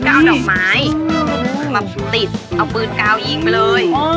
ก็เอาดอกไม้มาติดเอาปืนกาวยิงไปเลย